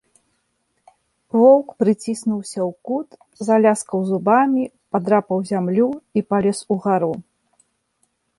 Воўк прыціснуўся ў кут, заляскаў зубамі, падрапаў зямлю і палез угару.